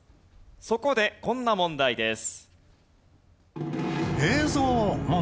そこでこんな問題です。